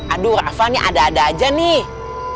aduh rasanya ada ada aja nih